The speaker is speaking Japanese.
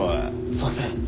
すいません。